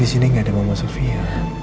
di sini gak ada mama sofia